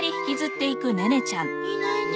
いないね。